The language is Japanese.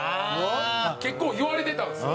結構言われてたんですよ。